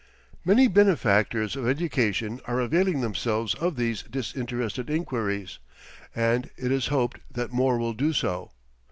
Many benefactors of education are availing themselves of these disinterested inquiries, and it is hoped that more will do so.